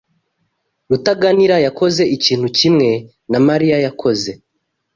Rutaganira yakoze ikintu kimwe na Mariya yakoze.